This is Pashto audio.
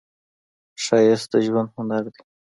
ښایست د ژوند هنر دی